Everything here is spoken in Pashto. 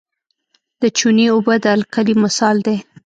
د چونې اوبه د القلي مثال دی.